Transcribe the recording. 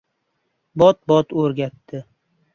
Bot-bot o‘rgatdi.